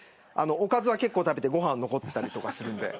おかずは結構食べてご飯は残っていたりするんで。